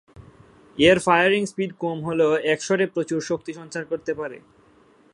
এর firing speed কম হলেও এক শটে প্রচুর শক্তি সঞ্চার করতে পারে।